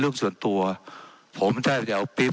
ว่าการกระทรวงบาทไทยนะครับ